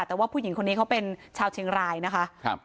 แต่ว่าผู้หญิงคนนี้เขาเป็นชาวเชียงรายนะคะครับ